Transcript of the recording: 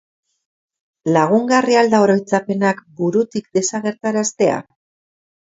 Lagungarria al da oroitzapenak burutik desagertaraztea?